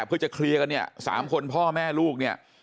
เพื่อจะเคลียร์กันเนี่ย๓คนพ่อแม่ลูกเนี่ย